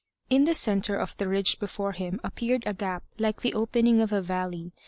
In the centre of the ridge before him appeared a gap like the opening of a valley.